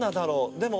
でも。